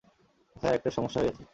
Sir, একটা সমস্যা হয়ে গেছে।